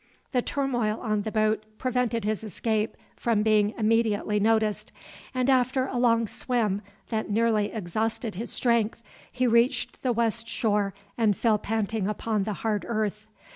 The turmoil on the boat prevented his escape from being immediately noticed, and after a long swim, that nearly exhausted his strength, he reached the west shore and fell panting upon the hard earth.